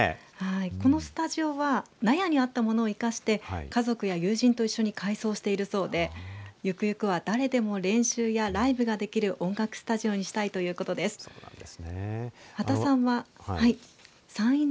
このスタジオは納屋にあったものを生かして家族や友人と一緒に改造しているそうでゆくゆくは誰でも練習やライブができる音楽スタジオにしたいということです。